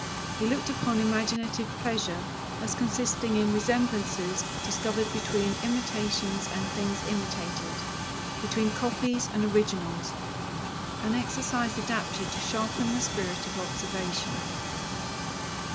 He looked upon imaginative pleasure as consisting in resemblances discovered between imitations and things imitated, between copies and originals, an exercise adapted to sharpen the spirit of observation.